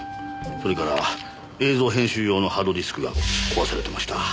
それから映像編集用のハードディスクが壊されてました。